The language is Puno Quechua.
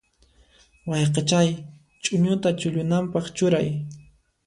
Wayqichay, ch'uñuta chullunanpaq churay.